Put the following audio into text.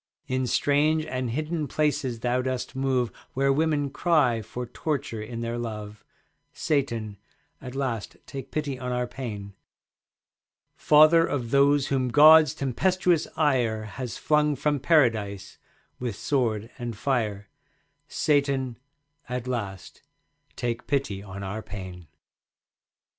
In strange and hidden places thou dost move Where women cry for torture in their love. Satan, at last take pity on our pain. Father of those whom God's tempestuous ire Has flung from Paradise with sword and fire, Satan, at last take pity on our pain.